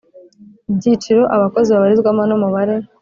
ibyiciro abakozi babarizwamo n’umubare